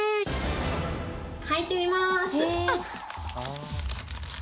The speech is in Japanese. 履いてみます。